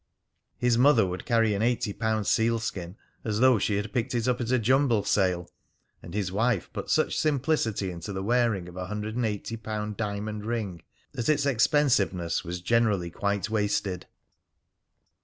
His mother would carry an eighty pound sealskin as though she had picked it up at a jumble sale, and his wife put such simplicity into the wearing of a hundred and eighty pound diamond ring that its expensiveness was generally quite wasted.